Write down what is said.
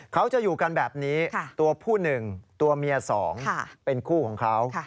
เขาจะอยู่กันแบบนี้ตัวผู้๑ตัวเมีย๒เป็นคู่ของเขา